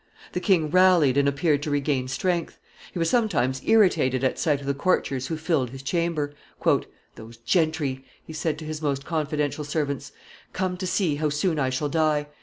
The king rallied and appeared to regain strength. He was sometimes irritated at sight of the courtiers who filled his chamber. "Those gentry," he said to his most confidential servants, "come to see how soon I shall die.